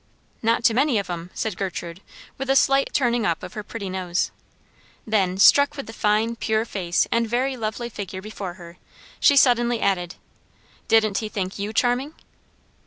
"Not to many of 'em!" said Gertrude, with a slight turning up of her pretty nose. Then, struck with the fine, pure face and very lovely figure before her, she suddenly added, "Didn't he think you charming?"